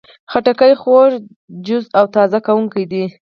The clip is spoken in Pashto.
خټکی خوږ، جوسي او تازه کوونکی دی.